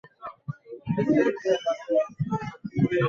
muziki wakidai kutotendewa haki kwa kiongozi wao